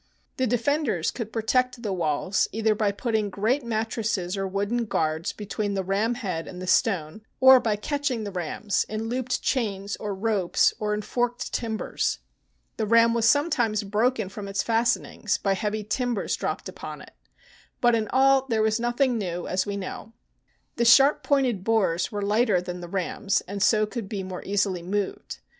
The defenders could protect the walls either by putting great mattresses or wooden guards between the ram head and the stone, or by catching the rams in looped chains or ropes or in forked timbers. The ram was sometimes broken from its fastenings by THE BOOK OF FAMOUS SIEGES heavy timbers dropped upon it. But in all there was nothing new, as we know. The sharp pointed bores were lighter than the rams, and so could be more easily moved.